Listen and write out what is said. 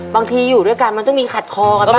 อยู่ด้วยกันมันต้องมีขัดคอกันบ้าง